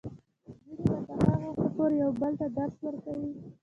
نجونې به تر هغه وخته پورې یو بل ته درس ورکوي.